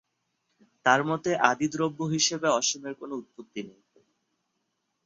তার মতে, আদি দ্রব্য হিসেবে অসীমের কোনো উৎপত্তি নেই।